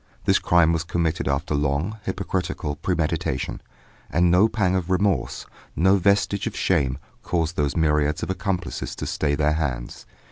This crime was committed after long, hypocritical premeditation, and no pang of remorse, no vestige of shame, caused those myriads of accomplices to stay their hands.